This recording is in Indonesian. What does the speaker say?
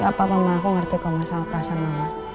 gak apa apa ma aku ngerti kalau masalah perasaan mama